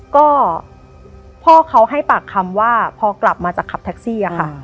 ก็พ่อเขาให้ปากคำว่าพอกลับมาจากขับแท็กซี่อะค่ะ